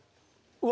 うわ。